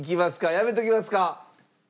やめておきますか？